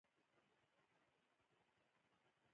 تعلیم نجونو ته د سترګو د ساتنې لارې ښيي.